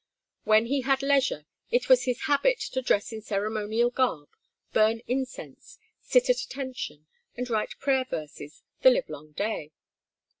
When he had leisure it was his habit to dress in ceremonial garb, burn incense, sit at attention, and write prayer verses the livelong day.